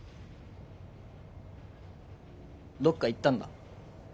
どっか行ったんだ？